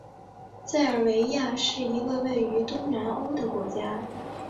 塞尔维亚是一个位于东南欧的国家。